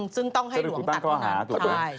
ซึ่งต้องให้หลวงตัดเท่านั้น